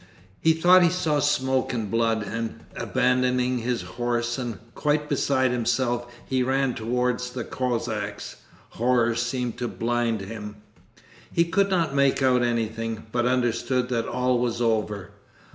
He thought he saw smoke and blood, and abandoning his horse and quite beside himself he ran towards the Cossacks. Horror seemed to blind him. He could not make out anything, but understood that all was over.